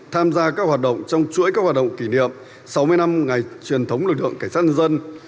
tham gia các hoạt động trong chuỗi các hoạt động kỷ niệm sáu mươi năm ngày truyền thống lực lượng cảnh sát nhân dân